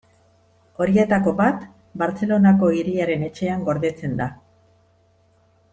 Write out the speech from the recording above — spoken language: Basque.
Horietako bat Bartzelonako Hiriaren Etxean gordetzen da.